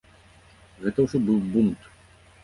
Гэта ўжо быў бунт.